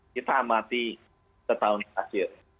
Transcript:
kita amati setahun terakhir